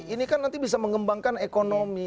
ini kan nanti bisa mengembangkan ekonomi